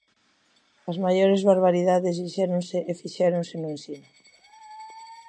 As maiores barbaridades dixéronse e fixéronse no ensino.